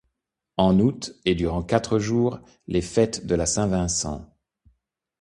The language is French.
En aout, et durant quatre jours, les fêtes de la Saint-Vincent.